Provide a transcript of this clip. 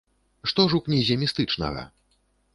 Што ж у кнізе містычнага?